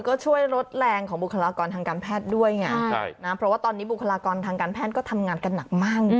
ก็ช่วยลดแรงของบุคลากรทางการแพทย์ด้วยไงเพราะว่าตอนนี้บุคลากรทางการแพทย์ก็ทำงานกันหนักมาก